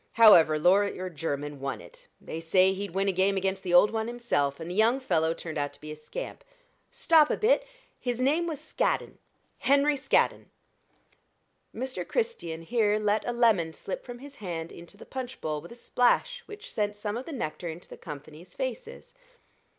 However Lawyer Jermyn won it they say he'd win a game against the Old One himself and the young fellow turned out to be a scamp. Stop a bit his name was Scaddon Henry Scaddon." Mr. Christian here let a lemon slip from his hand into the punch bowl with a splash which sent some of the nectar into the company's faces.